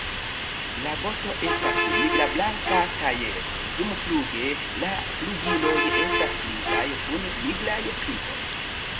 La vosto estas nigrablanka kaj dumfluge la flugiloj estas grizaj kun nigraj pintoj.